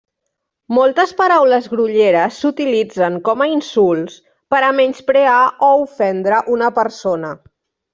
Moltes paraules grolleres s'utilitzen com a insults per a menysprear o ofendre una persona.